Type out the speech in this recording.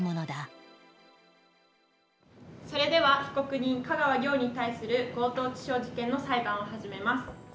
それでは被告人香川良に対する強盗致傷事件の裁判を始めます。